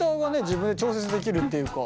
自分で調節できるっていうか。